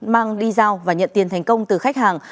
mang đi giao và nhận tiền thành công từ khách hàng